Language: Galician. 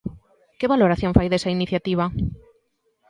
Que valoración fai desa iniciativa?